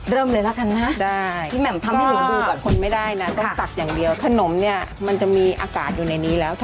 เป็นขั้นตอนนี้ขั้นตอนอะไรครับพี่แหม่ม